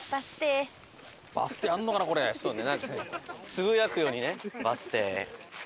つぶやくようにね「バス停」。